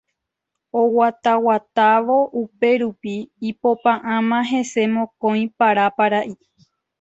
Oguataguatávo upérupi ipopa'ãma hese mokõi parapara'i